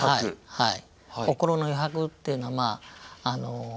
はい。